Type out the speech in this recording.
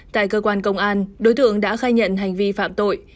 tại cơ quan công an đối tượng đã khai nhận hành vi phạm tội